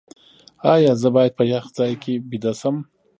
ایا زه باید په یخ ځای کې ویده شم؟